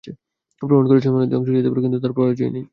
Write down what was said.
প্রমাণ করেছ, মানুষ ধ্বংস হয়ে যেতে পারে, কিন্তু তার পরাজয় নেই।